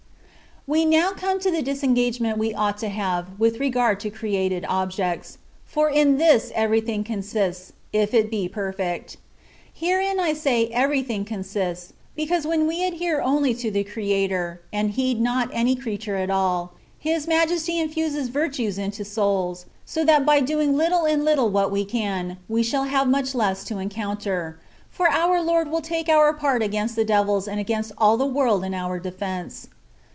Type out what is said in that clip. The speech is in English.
We now come to the disengagement we ought to have [with regard to created objects ;*] for in this everything consists, if it be perfect. Herein I say " everything" consists, because when we adhere only to the Creator, and heed not any creature at all. His Majesty infuses virtues into souls, so that doing by little and little what we can, we shall have much less to encounter, for our Lord will take our part against the devils and against all the world in our defence.